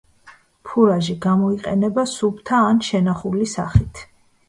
ფურაჟი გამოიყენება სუფთა ან შენახული სახით.